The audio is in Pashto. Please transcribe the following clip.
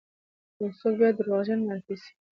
یو څوک بیا دروغجن معرفي سی،